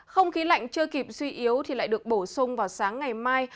không khí lạnh chưa kịp suy yếu thì lại được bổ sung vào sáng ngày mai